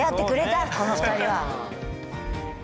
この２人は。